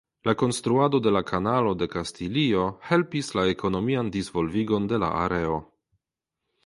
La konstruado de la Kanalo de Kastilio helpis la ekonomian disvolvigon de la areo.